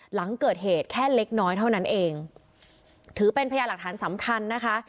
หลังเกิดเหตุแค่เล็กน้อยเท่านั้นเองถือเป็นพยาหลักฐานสำคัญนะคะ